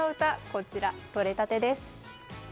こちら、とれたてです。